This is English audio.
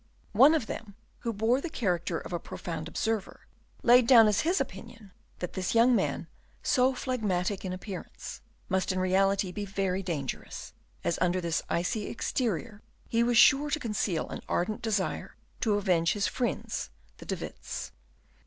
One of them, who bore the character of a profound observer, laid down as his opinion that this young man, so phlegmatic in appearance, must in reality be very dangerous, as under this icy exterior he was sure to conceal an ardent desire to avenge his friends, the De Witts.